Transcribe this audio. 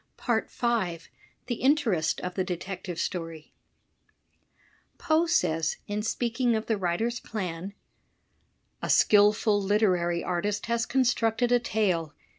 5. The Interest of the Detective Story Poe says, in speaking of the writer's plan: "A skillful literary artist has constructed a tale.